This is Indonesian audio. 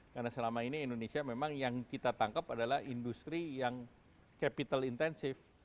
karena selama ini indonesia memang yang kita tangkap adalah industri yang capital intensive